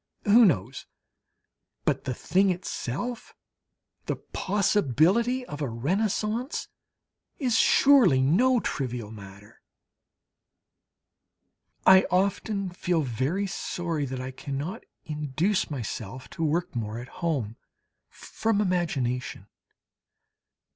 Who knows? But the thing itself, the possibility of a Renaissance, is surely no trivial matter! I often feel very sorry that I cannot induce myself to work more at home, from imagination.